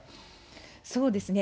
そうですね。